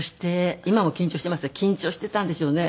今も緊張していますが緊張していたんでしょうね。